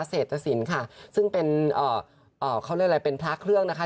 เศรษฐศิลป์ค่ะซึ่งเป็นเอ่อเขาเรียกอะไรเป็นพระเครื่องนะคะ